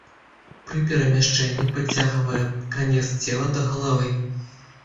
Пры перамяшчэнні падцягвае канец цела да галавы.